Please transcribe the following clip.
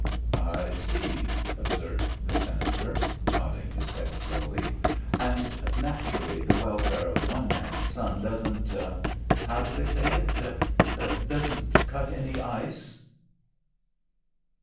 "I see," observed the Senator, nodding his head slowly. "And naturally the welfare of one man's son doesn't how do they say it doesn't cut any ice."